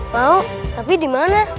mau tapi dimana